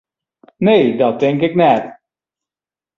Nee, dat tink ik net.